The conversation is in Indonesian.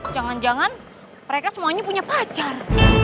jangan jangan mereka semuanya punya pacar